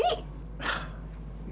ya tentu saya serius dong bu